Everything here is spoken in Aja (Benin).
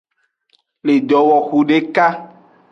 Le dowoxu deka.